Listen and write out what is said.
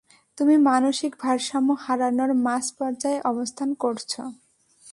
তুমি মানসিক ভারসাম্য হারানোর মাঝ পর্যায়ে অবস্থান করছ!